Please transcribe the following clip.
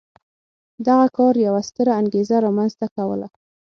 دغه کار یوه ستره انګېزه رامنځته کوله.